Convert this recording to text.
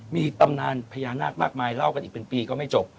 มีตำนานพญานาคมากมายเล่ากันอีกเป็นปีก็ไม่จบ